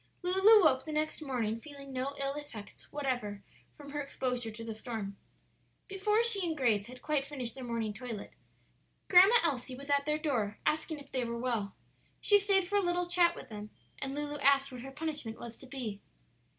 Lulu woke the next morning feeling no ill effects whatever from her exposure to the storm. Before she and Grace had quite finished their morning toilet Grandma Elsie was at their door, asking if they were well. She stayed for a little chat with them, and Lulu asked what her punishment was to be.